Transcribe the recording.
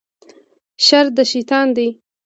شر د شیطان دی